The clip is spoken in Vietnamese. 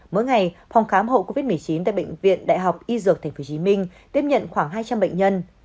mỗi ngày phòng khám hộ covid một mươi chín tại bệnh viện đại học y dược tp hcm tiếp nhận khoảng hai trăm linh bệnh nhân